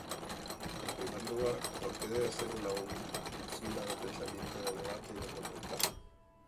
En primer lugar porque debe ser una usina de pensamiento, de debate y propuestas.